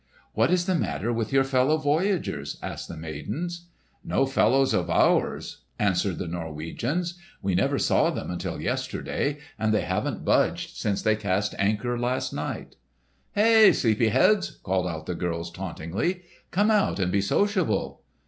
"What is the matter with your fellow voyagers?" asked the maidens. "No fellows of ours," answered the Norwegians, "we never saw them until yesterday, and they haven't budged since they cast anchor last night." "Hey, sleepy heads!" called out the girls tauntingly. "Come out and be sociable!"